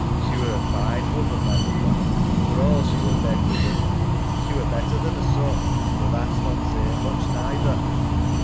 She were a fine woman, ma moother, for all she were bed ridden. EMMA. She were better than 'er son, though that's not say ing much neither.